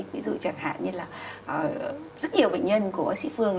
ví dụ chẳng hạn như là rất nhiều bệnh nhân của bác sĩ phương